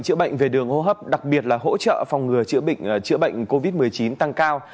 chữa bệnh về đường hô hấp đặc biệt là hỗ trợ phòng ngừa chữa bệnh covid một mươi chín tăng cao